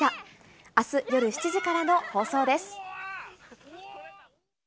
あす夜７時からの放送です。